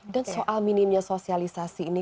dan soal minimnya sosialisasi ini